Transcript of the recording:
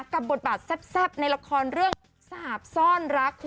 บทบาทแซ่บในละครเรื่องสาบซ่อนรัก